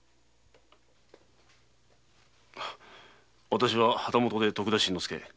私は旗本で徳田新之助。